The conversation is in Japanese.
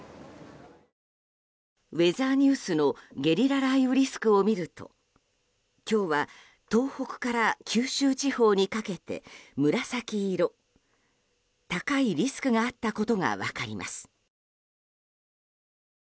ウェザーニュースのゲリラ雷雨リスクを見ると今日は東北から九州地方にかけて紫色高いリスクがあったことが分かります。